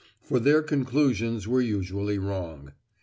For their conclusions were usually wrong.